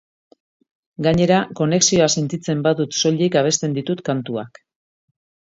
Gainera, konexioa sentitzen baudt soilik abesten ditut kantuak.